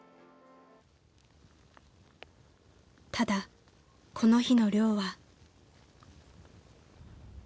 ［ただこの日の猟は］